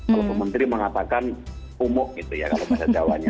kalau pemerintah mengatakan umuk gitu ya kalau pada jawabannya